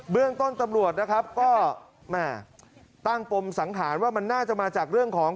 เรื่องต้นตำรวจนะครับก็แม่ตั้งปมสังหารว่ามันน่าจะมาจากเรื่องของ